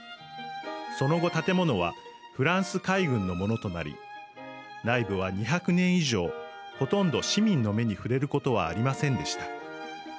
その後、建物はフランス海軍のものとなり内部は２００年以上ほとんど市民の目に触れることはありませんでした。